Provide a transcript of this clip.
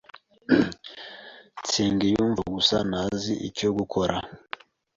Nsengiyumva gusa ntazi icyo gukora.